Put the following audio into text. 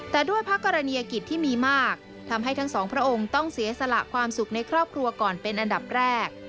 แต่ด้วยพระกรณียกิจที่มีมากทำให้ทั้งสองพระองค์ต้องเสียสละความสุขในครอบครัวก่อนเป็นอันดับแรก